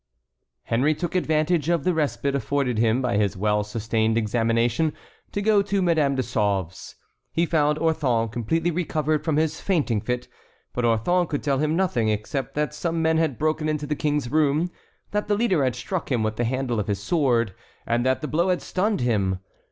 Henry took advantage of the respite afforded him by his well sustained examination to go to Madame de Sauve's. He found Orthon completely recovered from his fainting fit. But Orthon could tell him nothing, except that some men had broken into the king's rooms, that the leader had struck him with the handle of his sword, and that the blow had stunned him.